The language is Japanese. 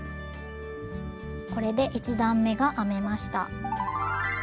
これで１段めが編めました。